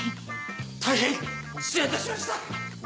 大変失礼いたしました！